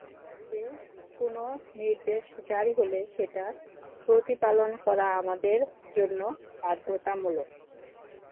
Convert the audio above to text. High court থেকে কোনো নির্দেশ জারি হলে সেটা প্রতিপালন করা আমাদের জন্য বাধ্যতামূলক।